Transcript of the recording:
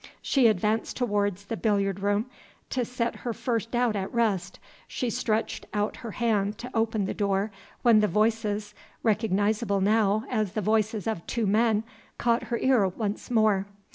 She advanced toward the billiard room to set her first doubt at rest. She stretched out her hand to open the door, when the voices (recognizable now as the voices of two men) caught her ear once more.